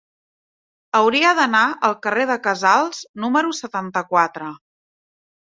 Hauria d'anar al carrer de Casals número setanta-quatre.